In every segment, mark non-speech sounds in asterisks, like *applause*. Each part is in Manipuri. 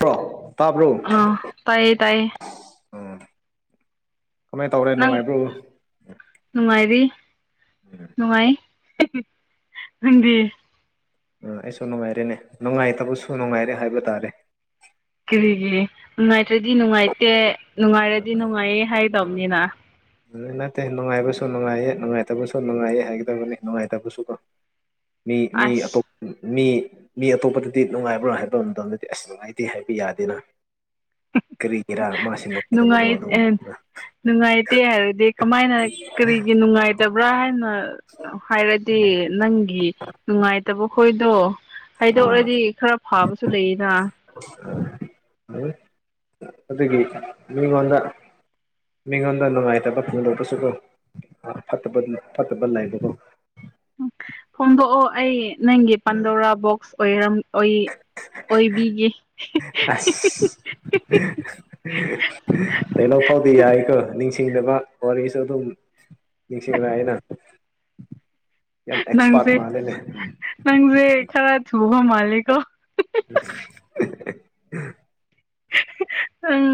ꯄꯣ ꯇꯥꯕ꯭ꯔꯣ ꯑꯥ ꯇꯥꯏꯌꯦ ꯇꯥꯏꯌꯦ ꯎꯝ ꯀꯃꯥꯏꯅ ꯇꯧꯔꯦ ꯅꯪ ꯅꯨꯡꯉꯥꯏꯕ꯭ꯔꯣ ꯅꯨꯡꯉꯥꯏꯔꯤ ꯅꯨꯡꯉꯥꯏ ꯅꯪꯗꯤ ꯎ ꯑꯩꯁꯨ ꯅꯨꯡꯉꯥꯏꯔꯦꯅꯦ ꯅꯨꯡꯉꯥꯏꯇꯕꯁꯨ ꯅꯨꯡꯉꯥꯏꯔꯦ ꯍꯥꯏꯕ ꯇꯥꯔꯦ ꯀꯔꯤꯒꯤ ꯅꯨꯡꯉꯥꯏꯇ꯭ꯔꯗꯤ ꯅꯨꯡꯉꯥꯏꯇꯦ ꯅꯨꯡꯉꯥꯏꯔꯗꯤ ꯅꯨꯡꯉꯥꯏꯌꯦ ꯍꯥꯏꯗꯧꯅꯤꯅ ꯑꯗꯨ ꯅꯠꯇꯦ ꯅꯨꯡꯉꯥꯏꯕꯁꯨ ꯅꯨꯡꯉꯥꯏꯌꯦ ꯅꯨꯡꯉꯥꯏꯇꯕꯁꯨ ꯅꯨꯡꯉꯥꯏꯌꯦ ꯍꯥꯏꯒꯗꯕꯅꯤ ꯅꯨꯡꯉꯥꯏꯇꯕꯁꯨꯀꯣ ꯃꯤ ꯃꯤ ꯑꯁ ꯑꯇꯣꯞꯄ ꯃꯤ ꯃꯤ ꯑꯇꯣꯞꯄꯗꯗꯤ ꯅꯨꯡꯉꯥꯏꯕ꯭ꯔꯥ ꯍꯥꯏꯕ ꯃꯇꯝꯗꯗꯤ ꯑꯁ ꯅꯨꯡꯉꯥꯏꯇꯦ ꯍꯥꯏꯕ ꯌꯥꯗꯦꯅ ꯀꯔꯤꯒꯤꯔꯥ ꯃꯥꯁꯤ ꯅꯨꯡꯉꯥꯏꯇꯕꯅꯣ ꯅꯨꯡꯉꯥꯏ ꯑꯗꯨꯝꯅ ꯅꯨꯡꯉꯥꯏꯇꯦ ꯍꯥꯏꯔꯗꯤ ꯀꯃꯥꯏꯅ ꯀꯔꯤꯒꯤ ꯅꯨꯡꯉꯥꯏꯇꯕ꯭ꯔꯥ ꯍꯥꯏꯅ ꯍꯥꯏꯔꯗꯤ ꯅꯪꯒꯤ ꯅꯨꯡꯉꯥꯏꯇꯕ ꯈꯣꯏꯗꯣ ꯑꯥ ꯍꯥꯏꯗꯣꯛꯔꯗꯤ ꯈꯔ ꯐꯥꯕꯁꯨ ꯂꯩꯌꯦꯅ ꯑꯗꯨꯒꯤ ꯃꯤꯒꯣꯟꯗ ꯃꯤꯉꯣꯟꯗ ꯅꯨꯡꯉꯥꯏꯇꯕ ꯐꯣꯡꯗꯣꯛꯄꯁꯨ ꯀꯣ ꯐꯠꯇꯕ ꯐꯠꯇꯕ ꯂꯩꯕꯀꯣ ꯎ ꯐꯣꯡꯗꯣꯛꯑꯣ ꯑꯩ ꯅꯪꯒꯤ ꯄꯥꯟꯗꯧꯔꯥ ꯕꯣꯛꯁ ꯑꯣꯏꯔꯝ ꯑꯣꯏꯕꯤꯒꯤ ꯑꯁ ꯍꯩꯅꯧ ꯐꯥꯎꯗꯤ ꯌꯥꯏꯀꯣ ꯅꯤꯡꯁꯤꯡ ꯁꯤꯡꯅꯕ ꯋꯥꯔꯤꯁꯨ ꯑꯗꯨꯝ ꯅꯤꯡꯁꯤꯡꯂ ꯑꯩꯅ ꯅꯪꯁꯦ ꯅꯪꯁꯦ ꯈꯔ ꯊꯍ ꯃꯥꯂꯤꯒꯣ ꯎꯝ ꯅꯪ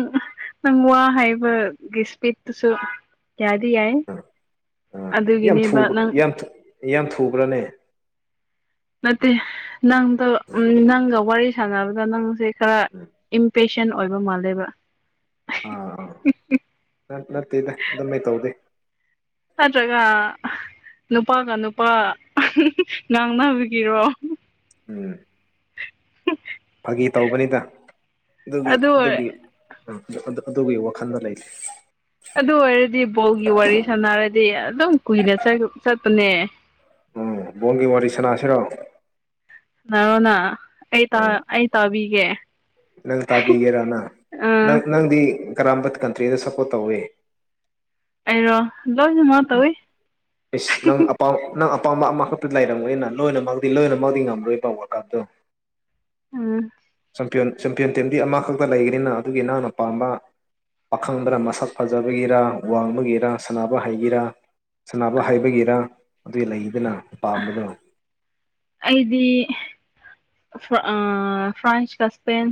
ꯅꯪ ꯋꯥ ꯍꯥꯏꯕꯒꯤ ꯏꯁꯄꯤꯠꯇꯨꯁꯨ ꯀꯌꯥꯗꯤ ꯌꯥꯏ ꯎꯝ ꯑꯥ ꯌꯥꯝ ꯑꯗꯨꯒꯤꯅꯦꯕ ꯊꯨꯕ ꯅꯪ ꯌꯥꯝ ꯌꯥꯝ ꯊꯨꯕ꯭ꯔꯅꯦ ꯅꯠꯇꯦ ꯅꯪꯗ ꯑꯥ ꯅꯪꯒ ꯋꯥꯔꯤ ꯁꯥꯟꯅꯕꯗ ꯅꯪꯁꯦ ꯈꯔ ꯏꯝꯄꯦꯛ ꯁꯟ ꯑꯣꯏꯕ ꯃꯥꯜꯂꯦꯕ ꯑꯥ ꯑꯥ ꯅꯠꯇꯦꯗ ꯑꯗꯨꯩ ꯇꯧꯗꯦ ꯅꯠꯇ꯭ꯔꯒ ꯅꯨꯄꯥꯒ ꯅꯨꯄꯥ ꯉꯥꯡꯅꯕꯒꯤꯔꯣ ꯎꯝ ꯐꯥꯒꯤ ꯇꯧꯕꯅꯤꯗ ꯑꯗꯨꯒꯤ ꯑꯗꯨ ꯑꯣꯏ ꯑꯗꯨꯒꯤ ꯑꯗꯨꯒꯤ ꯋꯥꯈꯜꯗ ꯂꯩꯇꯦ ꯑꯗꯨ ꯑꯣꯏꯔꯗꯤ ꯕꯧꯒꯤ ꯋꯥꯔꯤ ꯁꯥꯟꯅꯔꯗꯤ ꯑꯗꯨꯝ ꯀꯨꯏꯅ ꯆꯠꯄꯅꯦ ꯎꯝ ꯕꯣꯟꯒꯤ ꯋꯥꯔꯤ ꯁꯥꯅꯁꯤꯔꯣ ꯅꯔꯣꯅ ꯑꯩ ꯎꯝ ꯑꯩ ꯇꯥꯕꯤꯒꯦ ꯅꯪ ꯇꯥꯕꯤꯒꯦꯔꯥꯅ ꯑ ꯅꯪ ꯅꯪꯗꯤ ꯀꯔꯝꯕ ꯀꯟꯇ꯭ꯔꯤꯗ ꯁꯞꯄꯣꯔꯠ ꯇꯧꯏ ꯑꯩꯔꯣ ꯂꯣꯏꯅꯃꯛ ꯇꯧꯋꯤ ꯏꯁ ꯅꯪ ꯑꯄꯥꯝ ꯅꯪ ꯑꯄꯥꯝꯕ ꯑꯃꯈꯛꯇ ꯂꯩꯔꯝꯒꯅꯤꯅ ꯂꯣꯏꯅꯃꯛꯛꯇꯤ ꯂꯣꯏꯅꯃꯛꯛꯇꯤ ꯉꯝꯔꯣꯏ ꯇꯧꯕ ꯋꯥꯔꯀꯞꯇꯣ ꯎꯨꯝ ꯆꯝꯄꯤꯌꯟ ꯆꯦꯝꯄꯤꯌꯟ ꯇꯤꯝꯗꯤ ꯑꯃꯈꯛꯇ ꯂꯩꯒꯅꯤꯅ ꯑꯗꯨꯒꯤ ꯅꯛꯅ ꯄꯥꯝꯕ ꯄꯥꯈꯪꯕꯔ ꯃꯁꯛ ꯐꯖꯕꯒꯤꯔꯥ ꯋꯥꯡꯕꯒꯤꯔꯥ ꯁ ꯍꯥꯏꯒꯤꯔꯥ ꯁꯅꯕ ꯍꯥꯏꯩꯕꯒꯤꯔ ꯑꯗꯨꯒꯤ ꯂꯩꯗꯅ ꯄꯥꯝꯕꯗꯣ ꯑꯩꯗꯤ ꯑꯥ ꯐ꯭ꯔꯥꯟꯁ ꯀ ꯁꯄꯦꯟ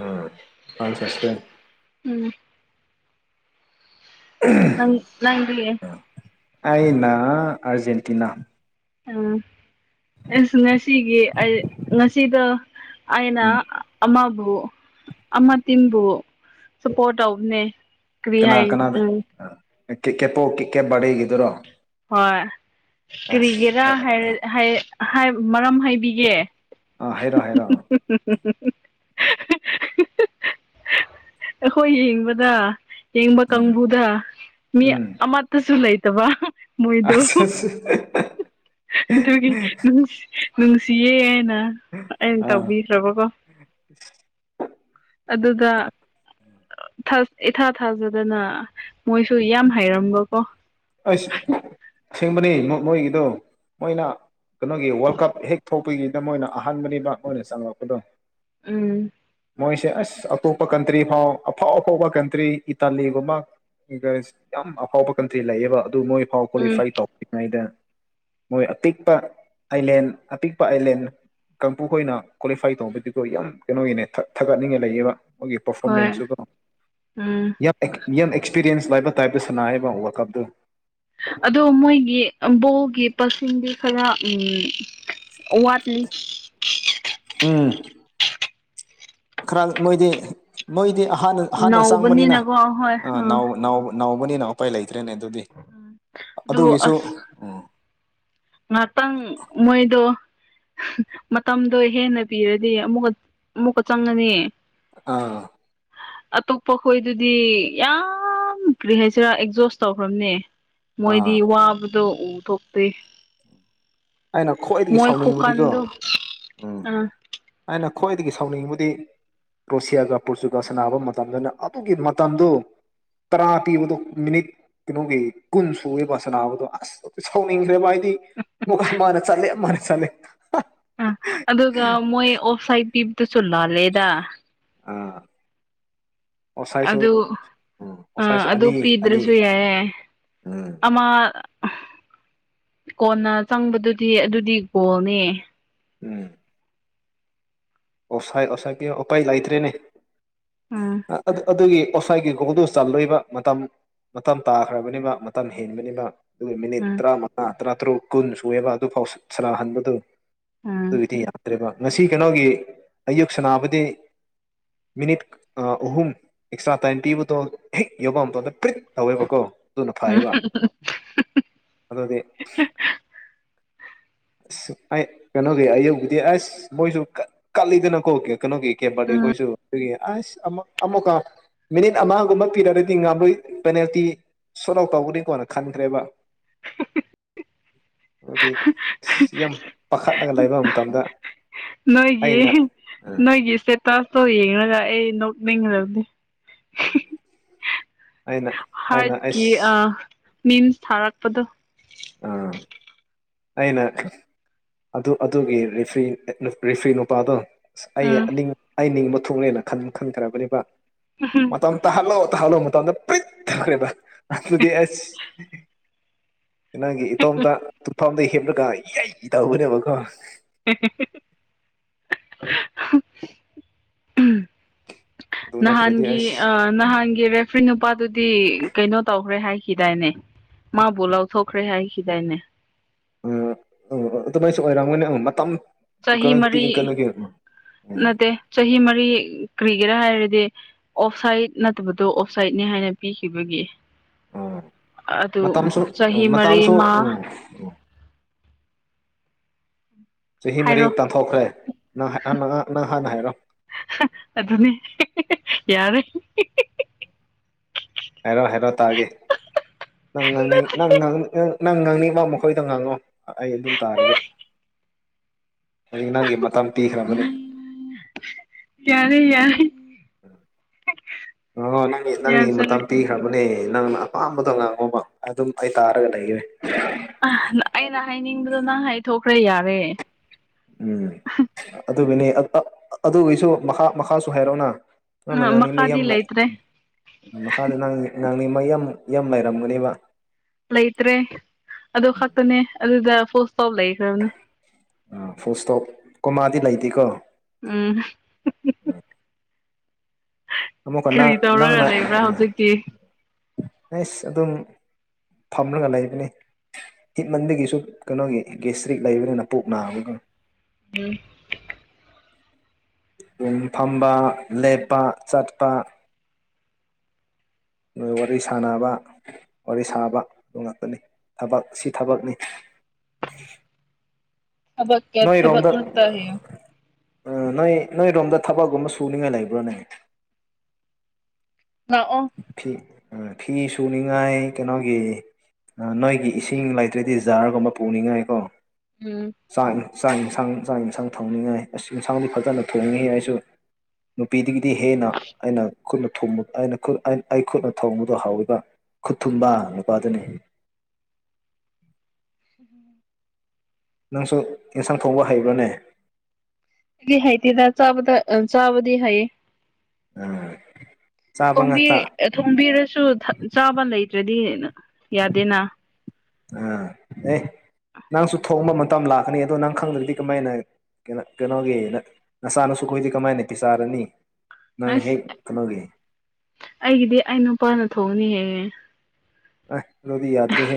ꯎꯨꯝ ꯐ꯭ꯔꯥꯟꯁ ꯀꯥ ꯏꯁꯄꯦꯟ ꯎꯝ ꯅꯪ ꯅꯪꯗꯤ ꯑꯅꯥ ꯑꯔꯖꯦꯟꯇꯤꯅꯥ ꯎꯨꯝ ꯑꯩꯁꯨ ꯃꯦꯁꯤꯒꯤ ꯑꯩ ꯉꯁꯤꯗ ꯑꯩꯅ ꯎꯝ ꯑꯃꯥ ꯕꯨ ꯑꯃꯇꯤꯟꯕꯨ ꯁꯄꯣꯔꯠ ꯇꯧꯕꯅꯦ ꯀ꯭ꯔꯤ ꯍꯥꯏ ꯎꯨꯝ ꯀꯤꯛ ꯀꯦꯞꯄꯣ ꯀꯤꯛ ꯀꯦꯞ ꯕꯥꯔꯗꯦꯒꯤꯗꯨꯔꯣ ꯍꯣꯏ ꯀꯔꯤꯒꯦꯔꯥ ꯍꯥꯏ ꯍꯥꯏ ꯃꯔꯝ ꯍꯥꯏꯕꯤꯒꯦ ꯑ ꯍꯥꯏꯩꯔ ꯍꯥꯏꯔꯣ ꯑ ꯑꯩꯈꯣꯏ ꯌꯦꯡꯕꯗ ꯌꯦꯡꯕ ꯎꯝ ꯀꯥꯡꯕꯨꯗ ꯃꯤ ꯑꯃꯠꯇꯁꯨ ꯂꯩ ꯇꯕ ꯑꯆꯥꯁ ꯍ ꯍ ꯑꯗꯨꯒꯤꯁꯤ ꯅꯨꯡꯁꯤꯌꯦ ꯍꯥꯏꯅ ꯑꯩꯅ ꯑꯥ ꯇꯧꯕꯤꯈ꯭ꯔꯕꯀꯣ ꯑꯗꯨꯗ ꯑꯁ ꯏꯊꯥ ꯊꯥꯖꯗꯅ ꯃꯣꯏꯁꯨ ꯌꯥꯝ ꯍꯩꯔꯝꯕ ꯀꯣ ꯑꯩꯁꯦꯡꯕꯅꯤ ꯃꯣꯏꯒꯤꯗꯣ ꯃꯣꯏꯅ ꯀꯩꯅꯣꯒꯤ ꯋꯥꯔꯜ ꯀꯞ ꯍꯦꯛ ꯊꯣꯛꯄꯒꯤꯗ ꯃꯣꯏꯅ ꯑꯍꯥꯟꯕꯅꯤꯃꯛ ꯃꯣꯏꯅ ꯆꯪꯂꯛꯄꯗꯣ ꯎꯨꯝ ꯃꯣꯏꯁꯦ ꯑꯁ ꯑꯇꯣꯞꯄ ꯀꯟꯇ꯭ꯔꯤ ꯐꯥꯎ ꯑꯐꯥꯎ ꯑꯐꯥꯎꯕ ꯀꯟꯇ꯭ꯔꯤ ꯏꯇꯥꯂꯤꯒꯨꯝꯕ ꯌꯥꯝ ꯑꯐꯥꯎꯕ ꯀꯟꯇ꯭ꯔꯤ ꯂꯩꯌꯦꯕ ꯑꯗꯨ ꯃꯣꯏ ꯐꯥꯎ ꯎꯝ ꯀ꯭ꯋꯥꯂꯤꯐꯥꯏ ꯇꯧꯔꯤꯉꯩꯗ- ꯃꯣꯏ ꯑꯄꯤꯛꯄ ꯑꯥꯏꯂꯦꯟ ꯑꯄꯤꯛꯄ ꯑꯥꯏꯂꯦꯟ ꯀꯥꯡꯄꯨꯈꯣꯏꯅ ꯀ꯭ꯋꯥꯂꯤꯐꯥꯏ ꯇꯧꯕꯗꯨꯗꯣ ꯌꯥꯝ ꯀꯩꯅꯣꯒꯤꯅꯦ ꯊꯥꯒꯠꯅꯤꯡꯉ ꯂꯩꯌꯦꯕ ꯃꯣꯏꯒꯤ ꯄꯔꯐꯣꯔꯃꯦꯟꯁꯨ ꯍꯣꯏ ꯀꯣ ꯎꯝ ꯌꯥꯝ ꯌꯥꯝ ꯑꯦꯛꯁꯄꯤꯔꯤꯌꯦꯟꯁ ꯂꯩꯕ ꯇꯥꯏꯞꯇ ꯁꯥꯟꯅꯥꯏꯕ ꯀꯕ ꯕ‌ꯣ ꯑꯗꯣ ꯃꯣꯏꯒꯤ ꯕꯣꯜꯒꯤ ꯄꯥꯔꯁꯟꯗꯤ ꯈꯔ ꯎꯝ ꯋꯥꯠꯂꯤ ꯎꯝ ꯈꯔ ꯃꯣꯏꯗꯤ ꯃꯣꯏꯗꯤ ꯃ‌ꯣꯏꯗꯤ ꯑꯍꯥꯟꯕ ꯑꯍꯥꯟꯅ ꯆꯪꯕꯅꯤꯅ ꯅꯧꯕꯅꯤꯅꯀꯣ ꯍꯣꯏ ꯑꯥ ꯅꯥꯎ ꯅꯥꯎ ꯅꯥꯎꯕꯅꯤꯅ ꯎꯄꯥꯏ ꯂꯩꯇ꯭ꯔꯦꯅꯦ ꯑꯗꯨꯗꯤ ꯑꯗꯨꯒꯤꯁꯨ ꯎꯝ ꯉꯥꯇꯡ ꯃꯣꯏꯗꯨ ꯃꯇꯝꯗꯣ ꯍꯦꯟꯅ ꯄꯤꯔꯗꯤ ꯑꯃꯨꯛꯀ ꯑꯃꯨꯛꯀ ꯆꯪꯉꯅꯤ ꯑꯥ ꯑꯇꯣꯞꯄ ꯈꯣꯏꯗꯨꯗꯤ ꯌꯥꯝ ꯀꯔꯤ ꯍꯥꯏꯁꯤꯔꯥ ꯑꯦꯛꯖꯣꯁ ꯇꯧꯈ꯭ꯔꯕꯅꯦ ꯑꯥ ꯃꯣꯏꯗꯤ ꯋꯥꯕꯗꯣ ꯎꯊꯣꯛꯇꯦ ꯑꯩꯅ ꯈ꯭ꯋꯥꯏꯗꯒꯤ ꯃꯣꯏ ꯁꯥꯎꯅꯤꯡꯕꯗꯤꯀꯣ ꯈꯨꯀꯟꯗꯣ ꯎꯝ ꯑꯥ ꯑꯩꯅ ꯈ꯭ꯋꯥꯏꯗꯒꯤ ꯁꯥꯎꯅꯤꯡꯕꯗꯤ ꯀ꯭ꯔꯣꯁꯤꯌꯥꯒ ꯄꯣꯔꯇꯨꯒꯜ ꯁꯥꯟꯕ ꯃꯇꯝꯗꯨꯅ ꯑꯗꯨꯒꯤ ꯃꯇꯝꯗꯨ ꯇꯔꯥ ꯄꯤꯕꯗꯣ ꯃꯤꯅꯤꯠ ꯀꯅ‌ꯣꯒꯤ ꯀꯨꯟ ꯁꯨꯌ‌ꯦꯕ ꯁꯅꯥꯕꯗꯣ ꯑꯁ ꯁꯥꯎꯅꯤꯡꯈ꯭ꯔꯦꯕ ꯑꯩꯗꯤ ꯃꯨꯒ ꯃꯥꯅ ꯆꯜꯂ‌ꯦ ꯑꯃꯅ ꯆꯂꯦ ꯑ ꯑꯗꯨꯒ ꯃꯣꯏ ꯑꯣꯐ ꯁꯥꯏꯠ ꯄꯤꯕꯗꯨꯁꯨ ꯂꯥꯜꯂꯦꯗ ꯑꯥ ꯑꯣꯁꯥꯏꯁꯨ ꯑꯗꯨ ꯑ ꯑꯣꯁꯥꯏꯁꯨ ꯑꯗꯨ ꯑꯅꯤ ꯑꯅꯤ ꯄꯤꯗ꯭ꯔꯁꯨ ꯌꯥꯏꯑꯦ ꯎꯝ ꯑꯝꯃ ꯀꯣꯟꯅ ꯆꯪꯕꯗꯨꯗꯤ ꯑꯗꯨꯗꯤ ꯒꯣꯜꯅꯤ ꯎꯝ ꯑꯣꯁꯥꯏ ꯑꯣꯁꯥꯏ ꯇꯤ ꯎꯄꯥꯏ ꯂꯩꯇ꯭ꯔꯦꯅꯦ ꯎꯝ ꯑꯗꯨ ꯑꯗꯨꯒꯤ ꯑꯣꯁꯋꯥꯏꯒꯤ ꯒꯣꯗꯨ ꯆꯜꯗꯣꯏꯕ ꯃꯇꯝ ꯃꯇꯝ ꯇꯥꯈ꯭ꯔꯕꯅꯤꯕ ꯃꯇꯝ ꯍꯦꯟꯕꯅꯤꯕ ꯑꯗꯨꯒ ꯃꯤꯅꯤꯠ ꯎꯝ ꯇꯔꯥꯃꯉꯥ ꯇꯔꯥꯇꯔꯨꯛ ꯀꯨꯟ ꯁꯨꯑꯦꯕ ꯑꯗꯨꯐꯥꯎ ꯁꯥꯅꯍꯟꯕꯗꯨ ꯎꯝ ꯑꯗꯨꯏꯗꯤ ꯌꯥꯗ꯭ꯔꯦꯕ ꯉꯁꯤ ꯀꯩꯅꯣꯒꯤ ꯑꯌꯨꯛ ꯁꯅꯥꯕꯗꯤ ꯃꯤꯅꯤꯠ ꯑꯍꯨꯝ ꯑꯦꯛꯁꯇ꯭ꯔꯥ ꯇꯥꯏꯝ ꯄꯤꯕꯗ‌ꯣ ꯊꯤꯛ ꯌꯥꯎꯕꯗ ꯄꯔꯤꯛ ꯇꯧꯋꯦꯕꯀꯣ ꯑꯗꯨꯅ ꯐꯌꯦꯕ ꯑꯗꯨꯗꯤ ꯑꯁ ꯑꯩ ꯀꯩꯅꯣꯒꯤ ꯑꯌꯨꯛꯗꯤ ꯑꯁ ꯃꯣꯏꯁꯨ ꯀꯠꯂꯤꯗꯅꯀꯣ ꯀꯅ‌ꯣꯒꯤ ꯀ‌ꯦꯕ ꯕꯔꯗ‌ꯦ ꯎꯝ ꯈ‌ꯣꯏꯁꯨ ꯑꯗꯨꯒꯤ ꯑꯁ ꯑꯃ ꯑꯃꯒ ꯃꯤꯅꯤꯠ ꯑꯃꯒꯨꯝꯕ ꯄꯤꯔꯒꯗꯤ ꯉꯥꯃꯣꯏ ꯄꯦꯅꯥꯜꯇꯤ ꯁꯣꯔꯠ ꯑꯥꯎꯠ ꯇꯧꯒꯅꯤꯀꯣꯅ ꯈꯟꯈ꯭ꯔꯦꯕ *inaudible* ꯑꯗꯨꯗꯤ ꯑ ꯌꯥꯝ ꯄꯥꯈꯠꯂꯒ ꯂꯩꯕ ꯃꯇꯝꯗ ꯅꯣꯏꯒꯤ ꯑꯩꯅ ꯅꯣꯏꯒꯤ ꯏꯁꯇꯦꯇꯥꯁꯇꯣ ꯌꯦꯡꯉꯒ ꯑꯩ ꯅꯣꯛꯅꯤꯡꯈ꯭ꯔꯗꯦ ꯑꯩꯅ ꯑꯩꯅ ꯍꯥꯔꯠꯀꯤ ꯑ ꯑꯩꯁ ꯃꯤꯃꯁ ꯊꯥꯔꯛꯄꯗꯣ ꯑꯥ ꯑꯩꯅ ꯑꯗꯨ ꯑꯗꯨꯒꯤ ꯔꯤꯐ꯭ꯔꯤ ꯔꯤꯐ꯭ꯔꯤ ꯅꯨꯄꯥꯗꯣ ꯑꯁ ꯑꯩ ꯎꯝ ꯑꯩ ꯅꯤꯡꯕ ꯊꯣꯛꯂꯦꯅ ꯈꯟ ꯈꯟꯈ꯭ꯔꯕꯅꯦꯕ ꯃꯇꯝ ꯇꯍꯜꯂꯣ ꯇꯍꯜꯂꯣ ꯃꯇꯝꯗ‌ꯣ ꯄꯔꯤꯠ ꯇꯥꯔ‌ꯦꯗ ꯑꯗꯨꯗꯤ ꯑꯁ ꯅꯪꯒꯤ ꯏꯇꯣꯝꯇ ꯇꯨꯐꯝꯗ ꯍꯦꯞꯂꯒ ꯌ‌ꯏ ꯇꯧꯕꯅꯦꯕꯀꯣ ꯎꯝ ꯑꯗꯨ ꯅꯠꯇ꯭ꯔꯗꯤ ꯅꯍꯥꯟꯒꯤ ꯑ ꯑꯁ ꯅꯍꯥꯟꯒꯤ ꯔ‌ꯦꯐ ꯐ꯭ꯔꯤ ꯅꯨꯄꯥꯗꯨꯗꯤ ꯀꯩꯅꯣ ꯇꯧꯈ꯭ꯔꯦ ꯍꯥꯏꯈꯤꯗꯥꯏꯅꯦ ꯃꯥꯕꯨ ꯂꯥꯎꯊꯣꯛꯈ꯭ꯔꯦ ꯍꯥꯏꯈꯤꯗꯥꯏꯅꯦ ꯎꯝ ꯑꯣ ꯑꯗꯨꯃꯥꯏꯁꯨ ꯑꯣꯏꯔꯝꯒꯅꯤ ꯑ ꯃꯇꯝ ꯆꯍꯤ ꯀꯩꯅꯣ ꯃꯔꯤ ꯄꯤꯛꯏ ꯀꯩꯅꯣꯒꯤ ꯎꯝ ꯎꯝ ꯅꯠꯇꯦ ꯆꯍꯤ ꯃꯔꯤ ꯀ꯭ꯔꯤꯒꯦꯔꯥ ꯍꯥꯏꯔꯗꯤ ꯗꯤ ꯑꯣꯞꯁꯥꯏꯠ ꯅꯠꯇꯕꯗꯣ ꯑꯣꯞꯁꯥꯏꯠꯅꯦ ꯍꯥꯏꯅ ꯄꯤꯈꯤꯕꯒꯤ ꯎꯝ ꯑꯗꯨ ꯃꯇꯝꯁꯨ ꯆꯍꯤ ꯃꯔꯤ ꯃꯇꯝꯁꯨ ꯑꯃ *inaudible* *unintelligible* ꯎꯝ ꯆꯍꯤ ꯃꯔꯤ ꯇꯥꯟꯊꯣꯛꯈ꯭ꯔꯦ ꯅꯪ ꯅꯪ ꯍꯥꯟꯅ ꯍꯥꯏꯔꯣ ꯑꯗꯨꯅꯤ ꯌꯥꯔꯦ ꯍꯥꯏꯔꯣ ꯍꯥꯏꯦꯔꯣ ꯇꯥꯒꯦ ꯅꯪ ꯉꯥꯡ ꯅꯪ ꯅꯪ ꯉꯥꯡꯅꯤꯡ ꯃꯥ ꯃꯈꯣꯏꯗ ꯉꯥꯡꯉꯣ ꯑꯩ ꯑꯗꯨꯝ ꯇꯥꯔꯒꯦ *unintelligible* *inaudible* ꯍꯧꯖꯤꯛ ꯅꯪꯒꯤ ꯃꯇꯝ ꯄꯤꯈ꯭ꯔꯕꯅꯤ ꯌꯥꯔꯦ ꯌꯥꯔꯦ ꯑꯣ ꯅꯪ ꯅꯪꯒꯤ ꯃꯇꯝ ꯌꯥꯖꯔꯒꯦ ꯄꯤꯈ꯭ꯔꯕꯅꯦ ꯅꯪꯅ ꯑꯄꯥꯝꯕꯗꯣ ꯉꯥꯡꯉꯕ ꯑꯗꯨꯝ ꯑꯩ ꯇꯥꯔꯒ ꯂꯩꯈ꯭ꯔꯦ ꯑꯩꯅ ꯍꯥꯏꯅꯤꯡꯕꯗꯣ ꯅꯪ ꯍꯥꯏꯊꯣꯛꯈ꯭ꯔꯦ ꯌꯥꯔꯦ ꯑꯗꯨꯅꯤ ꯑꯗꯨꯒꯤꯁꯨ ꯃꯈꯥ ꯃꯈꯥꯁꯨ ꯍꯥꯏꯔꯛꯑꯣꯅ ꯊꯪꯅꯥ ꯉꯅꯤ ꯃꯩꯌꯥꯝ ꯃꯈꯥꯗꯤ ꯂꯩ ꯂꯩꯇ꯭ꯔꯦ ꯎ ꯃꯈꯥꯗ ꯅꯉꯏ ꯑꯉꯥꯡꯅꯦ ꯃ ꯌꯥꯝ ꯌꯥꯝ ꯂꯥꯏꯔꯝꯒꯅꯦꯕ ꯂꯩꯇ꯭ꯔꯦ ꯑꯗꯨ ꯈꯛꯇꯅꯦ ꯑꯗꯨꯗ ꯁꯣ ꯂꯩꯈ꯭ꯔꯅꯤ ꯐꯨꯜ ꯏꯁꯇꯣꯞ ꯀꯣꯃꯥꯗꯤ ꯂꯩꯇꯦꯀꯣ ꯎꯝ ꯑꯃꯨꯛꯀꯅꯥꯪ ꯀꯔꯤ ꯇꯧꯔꯒ ꯂꯩꯕ꯭ꯔꯥ ꯍꯧꯖꯤꯛꯇꯤ ꯑꯁ ꯑꯗꯨꯝ ꯐꯝꯂꯉ ꯂꯩ ꯑꯩꯕ ꯍꯤꯠꯃꯟꯗꯒꯤꯁꯨ ꯀꯩꯅꯣꯒꯤ ꯒꯦꯁꯇ꯭ꯔꯤꯛ ꯂꯩꯕꯅꯤꯅ ꯄꯨꯣꯛ ꯅꯥꯕꯒꯤ ꯎꯝ ꯎꯨꯡ ꯐꯝꯕ ꯂꯦꯞꯄ ꯆꯠꯄ ꯅꯣꯏ ꯋꯥꯔꯤ ꯁꯅꯕ ꯋꯥꯔꯤ ꯁꯥꯕ ꯑꯗꯨ ꯉꯥꯛꯇꯅꯤ ꯊꯕꯛ ꯁꯤ ꯊꯕꯛꯅꯤ *unintelligible* ꯍꯕꯛ ꯀ ꯍꯕꯛ ꯅꯣꯏꯔꯣꯝꯗ ꯅꯠꯇ ꯍꯌ ꯅꯣꯏ ꯅꯣꯏꯔꯣꯝꯗ ꯊꯕꯛꯀꯨꯝꯕ ꯁꯨꯅꯤꯉꯥꯏ ꯂꯩꯕ꯭ꯔꯣꯅꯦ ꯂꯑꯣ ꯐꯤ ꯐꯤ ꯁꯨꯅꯤꯡꯉꯥꯏ ꯀꯩꯅꯣꯒꯤ ꯅꯣꯏꯒꯤ ꯏꯁꯤꯡ ꯂꯩꯇ꯭ꯔꯗꯤ ꯖꯥꯔꯒꯨꯝꯕ ꯄꯨꯅꯤꯡꯉꯥꯏ ꯀꯣ ꯎꯝ ꯆꯥꯛ ꯌꯦꯟꯁꯥꯡ ꯆꯥꯛ ꯌꯦꯟꯁꯥꯡ ꯊꯣꯡꯅꯤꯡꯉꯥꯏ ꯑꯁ ꯌꯦꯟꯁꯥꯡꯗꯤ ꯐꯖꯅ ꯊꯣꯡꯉꯤ ꯑꯩꯁꯨ ꯅꯨꯄꯤꯗꯒꯤ ꯗꯤ ꯍꯦꯟꯅ ꯑꯩꯅ ꯈꯨꯠꯅ ꯊꯨꯝꯕ ꯑꯩꯅ ꯑꯩ ꯈꯨꯠꯅ ꯊꯣꯡꯕꯗꯨ ꯍꯧꯥꯎꯔꯤꯕ ꯈꯨꯠꯊꯨꯝꯕꯥ ꯅꯨꯄꯥꯗꯨꯅꯤ *unintelligible* ꯅꯪꯁꯨ ꯑꯦꯟꯁꯥꯡ ꯊꯧꯕ ꯍꯩꯕ꯭ꯔꯥꯅꯦ ꯗꯤ ꯍꯥꯏꯇꯦꯔ ꯆꯥꯕꯗ ꯑ ꯆꯥꯕꯗꯤ ꯍꯥꯏꯌꯦ ꯑꯥ ꯆꯥꯕ ꯊꯣꯝꯕꯤ ꯉꯥꯛꯇ ꯊꯣꯝꯕꯤꯔꯁꯨ ꯆꯥꯕ ꯂꯩ ꯑꯗꯨꯗꯤ ꯌꯥꯗꯦꯅ ꯑꯥ ꯑꯦ ꯅꯪꯁꯨ ꯊꯣꯡꯕ ꯃꯇꯝ ꯂꯥꯛꯀꯅꯤ ꯑꯗꯣ ꯅꯪ ꯈꯪꯗ꯭ꯔꯗꯤ ꯀꯃꯥꯏꯅ ꯀ ꯀꯩꯅꯣꯒꯤ ꯅꯁꯥꯅꯁꯨ ꯈꯣꯏꯗꯤ ꯀꯃꯥꯏꯅ ꯄꯤꯤꯁꯥꯔꯅꯤ ꯑꯁ ꯑꯩꯒꯤꯗꯤ ꯑꯩ ꯅꯨꯄꯥꯅ ꯊꯣꯡꯅꯤꯍꯦꯉꯦ ꯑ ꯂꯗꯤ ꯌꯥꯗ ꯔꯦ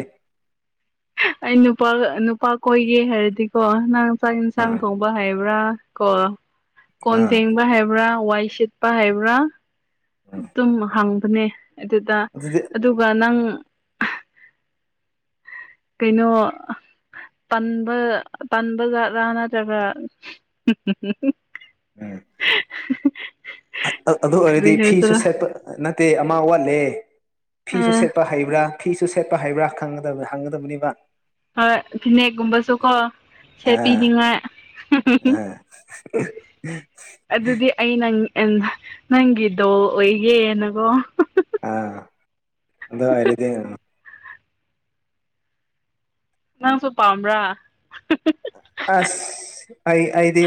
ꯑꯩ ꯅꯨꯄꯥ ꯅꯨꯄꯥ ꯀꯣꯏꯒꯦ ꯍꯥꯏꯔꯗꯤꯀꯣ ꯅꯪ ꯆꯥꯛ ꯌꯦꯟꯁꯥꯡ ꯑꯥ ꯊꯣꯡꯕ ꯍꯥꯏꯌꯦꯕ ꯍꯥꯏꯕ꯭ꯔꯥ ꯀꯣ ꯀꯣꯟ ꯑꯥ ꯊꯦꯡꯕ ꯍꯥꯏꯕ꯭ꯔꯥ ꯋꯥꯏ ꯁꯤꯠꯄ ꯍꯥꯏꯕ꯭ꯔꯥ ꯎꯝ ꯑꯗꯨꯝ ꯍꯥꯡꯕꯅꯦ ꯑꯗꯨꯗ ꯑꯗꯨꯗꯤ ꯑꯗꯨꯒ ꯅꯪ ꯀꯩꯅꯣ ꯄꯟꯕ ꯄꯟꯕ ꯖꯥꯠ꯭ꯔꯥ ꯅꯠꯇ꯭ꯔꯒ ꯎꯝ ꯑꯗꯨ ꯑꯣꯏꯔꯗꯤ ꯀꯔꯤ ꯐꯤꯁꯨ ꯍꯥꯏꯁꯤꯔꯥ ꯁꯦꯠꯄ ꯅꯠꯇꯦ ꯑꯃ ꯋꯥꯠꯂꯦ ꯐꯤꯁꯨ ꯑ ꯁꯦꯠꯄ ꯍꯩꯕ꯭ꯔꯥ ꯐꯤꯁꯨ ꯁꯦꯠꯄ ꯍꯩꯕ꯭ꯔꯥ ꯈꯪꯒꯗꯕ ꯍꯪꯒꯗꯕꯅꯤꯕ ꯍꯣꯏ ꯐꯤꯅꯦꯛꯒꯨꯝꯕꯁꯨꯀꯣ ꯑꯥ ꯁꯦꯠꯄꯤꯅꯤꯡꯉꯥꯏ ꯎꯝ ꯑꯗꯨꯗꯤ ꯑꯩ ꯅꯪ ꯅꯪꯒꯤꯗꯣ ꯑꯣꯏꯒꯦꯅꯀꯣ ꯑꯥ ꯑꯗ ꯍꯥꯏꯔꯗꯤ ꯅꯪꯁꯨ ꯄꯥꯝꯕ꯭ꯔꯥ ꯑꯁ ꯑꯩ ꯑꯩꯗꯤ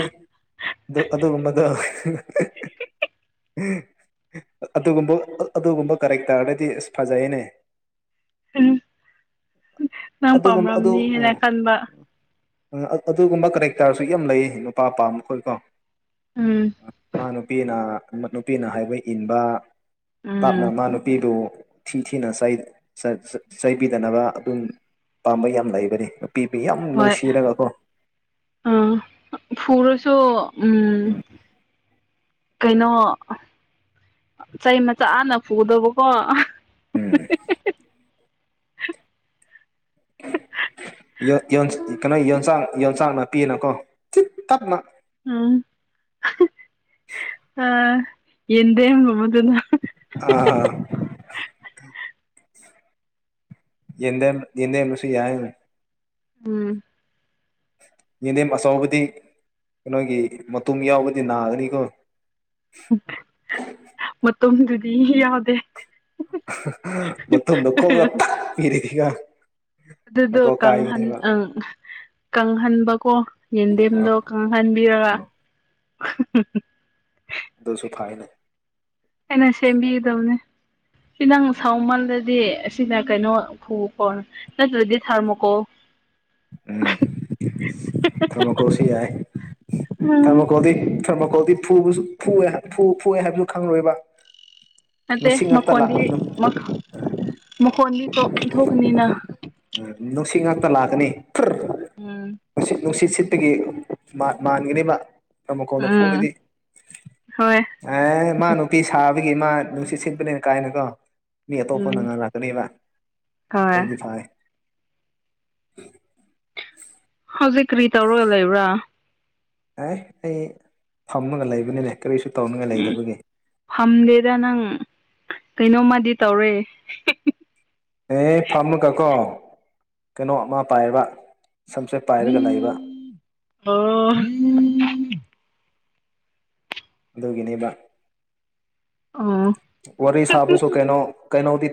ꯑꯗꯨ ꯑꯗꯨꯒꯨꯝꯕꯗꯣ ꯑꯗꯨꯒꯨꯝꯕ ꯑꯗꯨꯒꯨꯝꯕ ꯀꯔꯦꯛꯇꯔꯗꯗꯤ ꯑꯁ ꯐꯖꯩꯅꯦ ꯎꯝ ꯅꯪ ꯑꯗꯨꯒꯨꯝ ꯑꯗꯨ ꯄꯥꯝꯔꯝꯅꯤ ꯍꯥꯏꯅ ꯎꯝ ꯈꯟꯕ ꯑꯗꯨꯒꯨꯝꯕ ꯀꯔꯦꯛꯇꯔꯁꯨ ꯌꯥꯝ ꯂꯩꯌꯦ ꯅꯨꯄꯥꯄꯥꯝꯕ ꯃꯈꯣꯏ ꯀꯣ ꯎꯝ ꯅꯨꯄꯥ ꯅꯨꯄꯤꯅ ꯅꯨꯄꯤꯅ ꯍꯥꯏꯕ ꯏꯟꯕ ꯎꯝ ꯇꯞꯅ ꯃꯥ ꯅꯨꯄꯤꯗꯨ ꯊꯤ ꯊꯤꯅ ꯆꯩꯥꯏꯕꯤꯗꯅꯕ ꯑꯗꯨꯝ ꯄꯥꯝꯕ ꯌꯥꯝ ꯂꯩꯕꯅꯤ ꯅꯨꯄꯤꯕꯨ ꯌꯥꯝ ꯍꯣꯏ ꯅꯨꯡꯁꯤꯔꯒꯀꯣ ꯑ ꯐꯨꯔꯁꯨ ꯎꯝ ꯀꯩꯅꯣ ꯆꯩ ꯃꯆꯥꯅ ꯄꯨꯗꯕꯀꯣ ꯎꯝ *unintelligible* *inaudible* ꯀꯩꯅꯣ ꯌꯣꯟꯁꯥꯛ ꯌꯣꯟꯁꯥꯛ ꯅꯥꯄꯤꯅꯀꯣ ꯆꯤ ꯇꯞꯅ ꯎꯝ ꯑ ꯌꯦꯗ ꯃꯃ ꯑꯥ ꯑ ꯌꯦꯗ ꯌꯦꯗꯦ ꯃꯁꯤꯁꯤ ꯌꯥ ꯎꯝ ꯌꯦꯗꯦꯝ ꯑꯆꯕꯗꯤ ꯀꯩꯅꯣꯒꯤ ꯃꯇꯨꯝ ꯌꯥꯎꯕꯗꯤ ꯅꯥꯒꯅꯤꯀꯣ ꯃꯇꯣꯝꯗꯨꯗꯤ ꯌꯥꯎꯗꯦ ꯃꯣꯗꯛꯂ ꯏꯗꯤꯒ ꯑꯗꯨꯗꯣ ꯀꯪꯍꯟ ꯑ ꯀꯪꯍꯟꯕꯀꯣ ꯌꯦꯟꯗꯦꯝꯗꯣ ꯀꯪꯍꯟꯕꯤꯔꯒ *inaudible* ꯑꯗꯨꯁꯨ ꯐꯥꯏꯅꯦ ꯑꯩꯅ ꯁꯦꯝꯕꯤꯒꯗꯕꯅꯦ ꯁꯤ ꯅꯪ ꯁꯥꯎꯃꯜꯗꯗꯤ ꯑꯁꯤꯅ ꯀꯩꯅꯣ ꯐ ꯈꯣ ꯅꯠꯇ꯭ꯔꯗꯤ ꯊꯥꯔꯃꯣꯀꯣꯜ ꯎꯝ ꯊꯔꯃꯣꯀꯣꯁꯤ ꯌꯥ ꯎꯝ ꯊꯔꯃꯣꯀꯣꯁꯤ ꯐꯔ ꯃꯈꯣꯛꯗꯤ ꯐꯨꯁꯨ ꯐ ꯐꯨꯑꯦ ꯍꯥꯏꯕꯁꯨ ꯈꯪꯂꯣꯏꯕ ꯅꯠꯇꯦ ꯂꯁꯤꯛ ꯉꯥꯛꯛꯇ ꯂꯥꯛ ꯃꯈꯣꯟꯗꯤ ꯃꯈꯣꯟꯗꯤ ꯊꯣꯛꯀꯅꯤꯅ ꯎ ꯅꯨꯡꯁꯤꯠ ꯉꯥꯛꯇ ꯂꯥꯛꯀꯅꯤ ꯎꯝ ꯅꯨꯡꯁꯤꯠ ꯅꯨꯡꯁꯤꯠ ꯁꯤꯠꯇꯒꯤ ꯃꯥꯟꯈ꯭ꯔꯤꯕ ꯇꯃ ꯀꯣꯟꯅ ꯎꯝ ꯐꯨꯔꯤꯗꯤ ꯍꯣꯏ ꯑꯦ ꯃꯥ ꯅꯨꯄꯤ ꯁꯥꯕ ꯑꯩꯒꯤ ꯏꯃꯥ ꯅꯨꯡꯁꯤꯠ ꯁꯤꯠꯄꯅꯦꯅ ꯀꯥꯏꯅꯀꯣ ꯃꯤ ꯑꯇꯣꯞꯄ ꯎꯝ ꯅꯪꯍꯜꯔꯛꯀꯅꯦꯕ ꯍꯣꯏ ꯑꯗꯨꯗꯤ ꯐꯔ ꯎꯝ ꯍꯧꯖꯤꯛ ꯀꯔꯤ ꯇꯧꯔꯒ ꯂꯩꯕ꯭ꯔꯥ ꯑꯦ ꯑꯩ ꯐꯝꯃꯒ ꯂꯩꯕꯅꯤꯅꯦ ꯀꯔꯤꯁꯨ ꯇꯧꯅꯤꯡꯉꯥꯏ ꯎꯝ ꯂꯩꯇꯕꯒꯤ ꯐꯝꯗꯦꯗ ꯅꯪ ꯀꯩꯅꯣꯝꯃꯗꯤ ꯇꯧꯔꯦ ꯑꯦ ꯐꯝꯃꯨꯒꯀꯣ ꯀꯩꯅꯣ ꯑꯃ ꯄꯥꯏꯕ ꯁꯝꯁꯦꯠ ꯄꯥꯏꯔꯒ ꯂꯩꯕ ꯑꯣ ꯑꯗꯨꯒꯤꯅꯦꯕ ꯑꯣ ꯋꯥꯔꯤ ꯁꯥꯕꯁꯨ ꯀꯩꯅꯣ ꯀꯩꯅꯣꯗꯤ